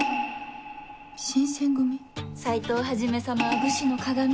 斎藤一様は武士のかがみ。